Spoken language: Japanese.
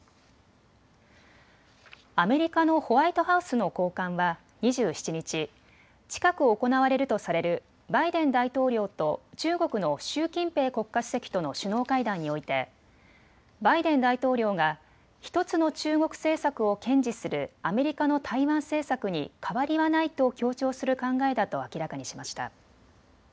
アメリカのホワイトハウスの高官は２７日、近く行われるとされるバイデン大統領と中国の習近平国家主席との首脳会談においてバイデン大統領が１つの中国政策を堅持するアメリカの台湾政策に変わりはないと強調する考えだと明らかにしました。